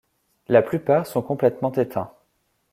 La plupart sont complètement éteints.